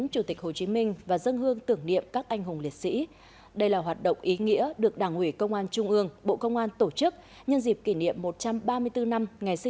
chủ tịch hồ chí minh một mươi chín tháng năm năm một nghìn tám trăm chín mươi một mươi chín tháng năm năm hai nghìn hai mươi bốn